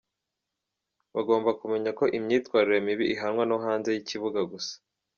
Bagomba kumenya ko imyitwarire mibi ihanwa no hanze y’ikibuga gusa.